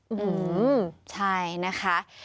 อืมใช่นะคะ